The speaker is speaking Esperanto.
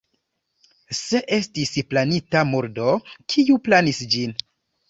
Se estis planita murdo, kiu planis ĝin?